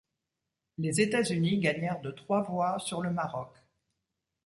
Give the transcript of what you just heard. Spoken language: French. Les États-Unis gagnèrent de trois voix sur le Maroc.